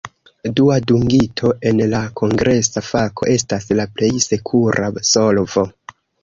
Dua dungito en la kongresa fako estas la plej sekura solvo.